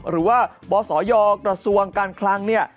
หรือว่าบศยกระทรวงการคลังเนี่ย